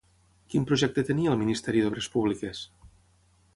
Quin projecte tenia el Ministeri d'Obres Públiques?